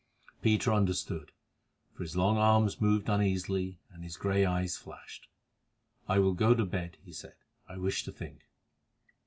Peter understood, for his long arms moved uneasily, and his grey eyes flashed. "I will go to bed," he said; "I wish to think."